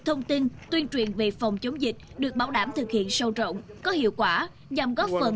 thông tin tuyên truyền về phòng chống dịch được bảo đảm thực hiện sâu rộng có hiệu quả nhằm góp phần